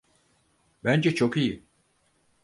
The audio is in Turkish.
Bence çok iyi.